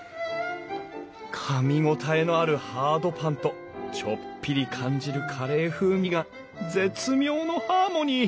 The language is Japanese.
かみ応えのあるハードパンとちょっぴり感じるカレー風味が絶妙のハーモニー！